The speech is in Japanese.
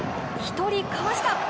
１人かわした！